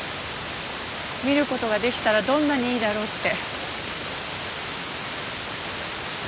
見る事ができたらどんなにいいだろうって。